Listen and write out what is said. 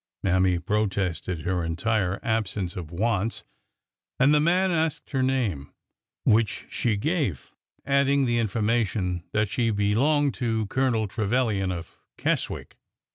" Mammy protested her entire absence of wants, and the man asked her name, which she gave, adding the in formation that she belonged to Colonel Trevilian of Keswick.